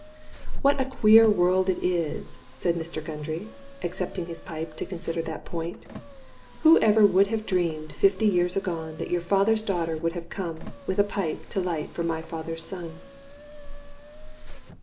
"What a queer world it is!" said Mr. Gundry, accepting his pipe to consider that point. "Who ever would have dreamed, fifty years agone, that your father's daughter would ever have come with a pipe to light for my father's son?"